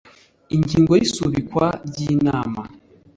ingingo ya isubikwa ry inama